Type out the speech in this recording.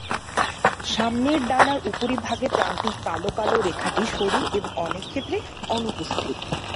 সামনের ডানার উপরিভাগে প্রান্তিক কালো কালো রেখাটি সরু এবং অনেকক্ষেত্রে অনুপস্থিত।